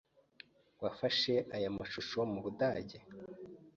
Wafashe aya mashusho mu Budage?